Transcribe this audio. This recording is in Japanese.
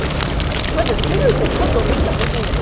まず種類の数を見てほしいんですよ。